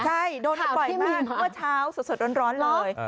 ใช่โดนบ่อยมากเมื่อเช้าสดร้อนเลย